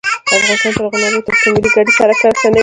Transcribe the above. افغانستان تر هغو نه ابادیږي، ترڅو ملي ګټې سر کرښه وي.